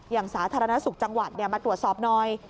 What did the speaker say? สาธารณสุขจังหวัดมาตรวจสอบหน่อย